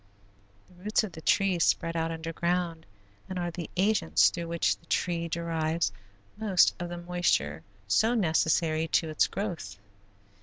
The roots of the tree spread out underground and are the agents through which the tree derives most of the moisture so necessary to its growth.